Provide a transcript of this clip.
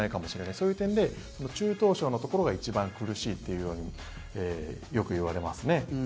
そういう点で中等症のところが一番苦しいとよく言われますね。